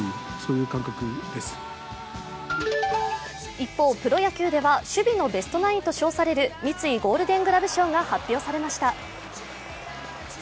一方、プロ野球では守備のベストナインと称される三井ゴールデンクラブ賞が発表されました。